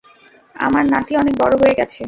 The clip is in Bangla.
আমার নাতি অনেক বড় হয়ে গেছে!